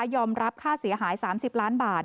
รับค่าเสียหาย๓๐ล้านบาท